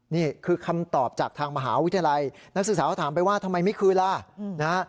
นี่คือคำตอบจากทางมหาวิทยาลัยนักศึกษาเขาถามไปว่าทำไมไม่คืนล่ะนะฮะ